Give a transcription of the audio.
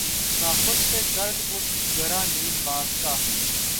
ناخن پہ قرض اس گرہ نیم باز کا